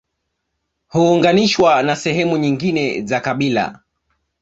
Huunganishwa na sehemu nyingine za kabila